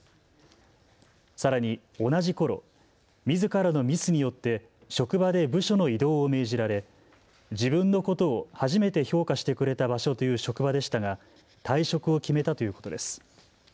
さらに同じころ、みずからのミスによって職場で部署の異動を命じられ自分のことを初めて評価してくれた場所という職場でしたが退職を決めたということです。